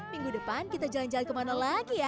minggu depan kita jalan jalan kemana lagi ya